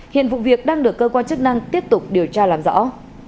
hiện vụ việc đang được cơ quan chức năng tiếp tục điều tra làm rõ